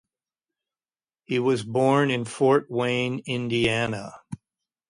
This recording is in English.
He was born in Fort Wayne, Indiana.